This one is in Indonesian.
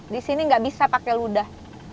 disini gak bisa pakai ludah